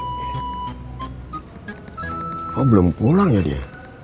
kok belum pulang ya dia